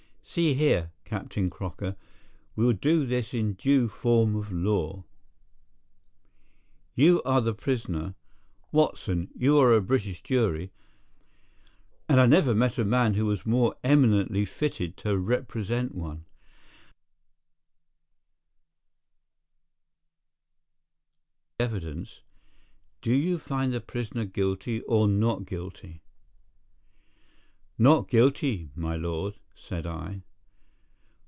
See here, Captain Crocker, we'll do this in due form of law. You are the prisoner. Watson, you are a British jury, and I never met a man who was more eminently fitted to represent one. I am the judge. Now, gentleman of the jury, you have heard the evidence. Do you find the prisoner guilty or not guilty?" "Not guilty, my lord," said I.